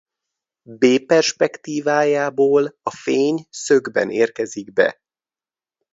B perspektívájából a fény szögben érkezik be.